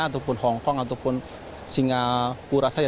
ataupun hongkong ataupun singapura saja